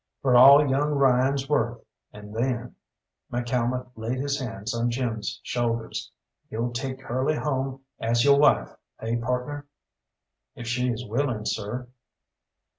"For all young Ryan's worth, and then" McCalmont laid his hands on Jim's shoulders "you'll take Curly home as yo' wife, eh, partner?" "If she is willing, sir."